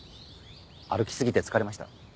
歩きすぎて疲れました。